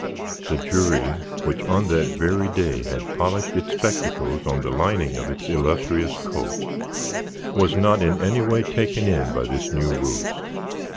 The jury, which on that very day had polished its spectacles on the lining of its illustrious coat, was not in any way taken in by this new ruse.